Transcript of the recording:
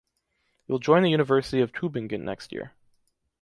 He will join the university of Tübingen next year.